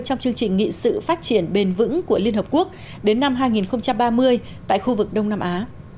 trong chương trình nghị sự phát triển bền vững của liên hợp quốc đến năm hai nghìn ba mươi tại khu vực đông nam á